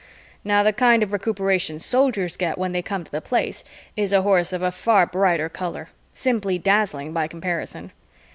Ha! Now the kind of recuperation Soldiers get when they come to the Place is a horse of a far brighter color, simply dazzling by comparison.